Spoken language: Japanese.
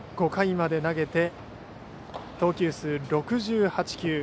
５回まで投げて投球数６８球。